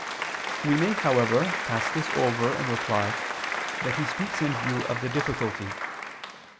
We may, however, pass this over and reply that he speaks in view of the difficulty.